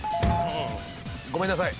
ごめんなさい。